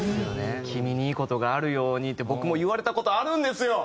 「君にいいことがあるように」って僕も言われた事あるんですよ